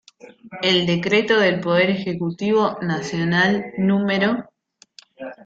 El Decreto del Poder Ejecutivo Nacional Nro.